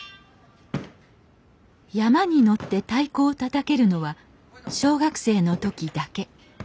山車に乗って太鼓をたたけるのは小学生の時だけ。